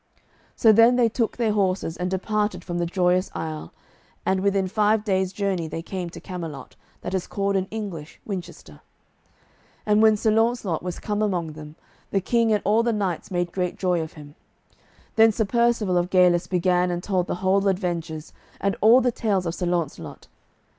So then they took their horses and departed from the Joyous Isle, and within five days' journey they came to Camelot, that is called in English Winchester. And when Sir Launcelot was come among them, the King and all the knights made great joy of him. Then Sir Percivale of Galis began and told the whole adventures, and all the tales of Sir Launcelot.